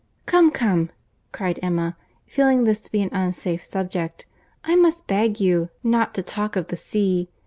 "Come, come," cried Emma, feeling this to be an unsafe subject, "I must beg you not to talk of the sea.